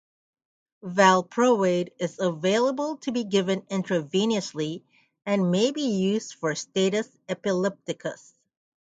Valproate is available to be given intravenously, and may be used for status epilepticus.